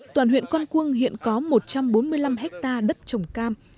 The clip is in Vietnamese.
toàn huyện con cuông hiện có một trăm bốn mươi năm hectare đất trồng cam